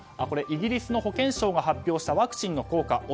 イギリスの保健省が発表したワクチンの効果